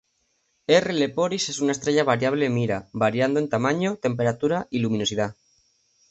R Leporis es una estrella variable Mira, variando en tamaño, temperatura y luminosidad.